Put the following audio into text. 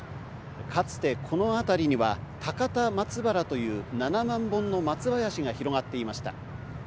かつてこの辺りには高田松原という７万本の松林が広がっていました。